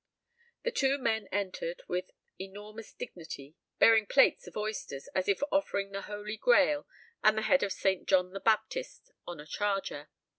The two men entered with enormous dignity bearing plates of oysters as if offering the Holy Grail and the head of Saint John the Baptist on a charger.